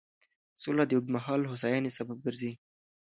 سوله د اوږدمهاله هوساینې سبب ګرځي.